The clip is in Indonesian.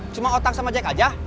cuma otak sama jack aja